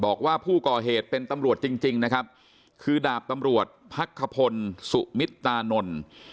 บอกว่าผู้ก่อเหตุเป็นตำรวจจริงจริงนะครับคือดาบตำรวจพักขพลสุมิตตานนท์